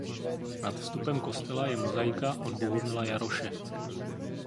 Nad vstupem kostela je mozaika od Bohumila Jaroše.